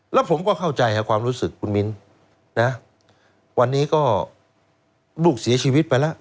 แล้วผมก็เข้าใจความรู้สึกคุณมิ้นนะวันนี้ก็ลูกเสียชีวิตไปแล้ว